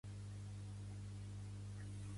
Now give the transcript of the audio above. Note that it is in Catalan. Es troba al nord del cràter obscur Plato.